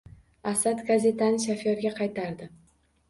Asad gazetani shoferga qaytardi: